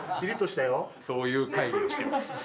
そういう会議をしてます。